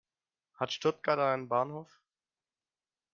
Hat Stuttgart einen Bahnhof?